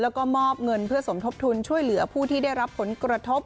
แล้วก็มอบเงินเพื่อสมทบทุนช่วยเหลือผู้ที่ได้รับผลกระทบ